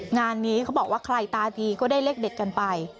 งานนี้เขาบอกว่าใครตาดีก็ได้เลขเด็ดกันไป